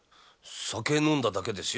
酒飲んだだけですよ。